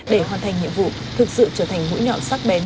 để hoàn thành nhiệm vụ thực sự trở thành mũi nhọn sắc bén